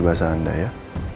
bahasa anda ya